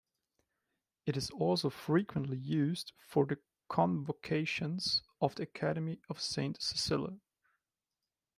It is also frequently used for the Convocations of the Academy of Saint Cecilia.